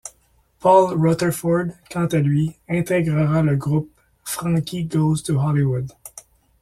Paul Rutherford, quant à lui, intègrera le groupe Frankie Goes to Hollywood.